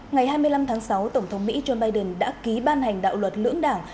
ngày hai mươi năm tháng sáu tổng thống mỹ joe biden đã ký ban hành đạo luật lưỡng đảng